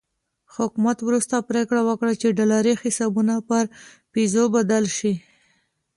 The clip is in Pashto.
حکومت وروسته پرېکړه وکړه چې ډالري حسابونه پر پیزو بدل شي.